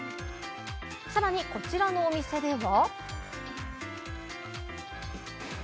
さらに、こちらのお店では。